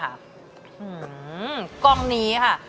หือกองนี้ค่ะ